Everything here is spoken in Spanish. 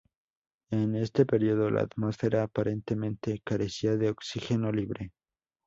En este período, la atmósfera aparentemente carecía de oxígeno libre.